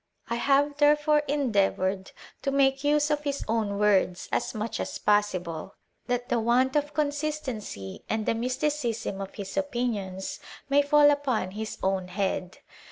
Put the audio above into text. I have, therefore, endeavoured to state his opinions in his own words as much as possible, that the want of consistency and the mysticism of his opinions may fall upon his own head.